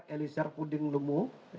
elisar puding lemu